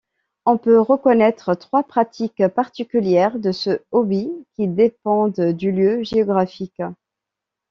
On peut reconnaître trois pratiques particulières de ce hobby, qui dépendent du lieu géographique.